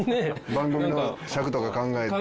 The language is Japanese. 番組の尺とか考えて。